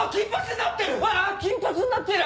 あ金髪になってる！